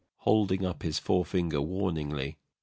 [Holding up his fore finger warningly.